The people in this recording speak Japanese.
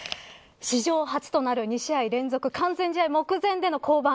史上初となる２試合連続完全試合目前での降板